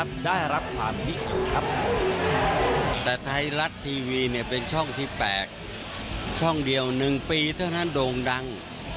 แต่ไทยรัฐทีวีเนี่ยเป็นช่องที่๘ช่องเดียว๑ปีเท่านั้นโด่งดัง